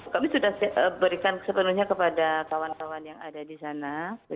kami sudah berikan sepenuhnya kepada kawan kawan yang ada di sana